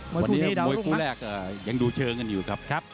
วันนี้มวยคู่แรกยังดูเชิงกันอยู่ครับ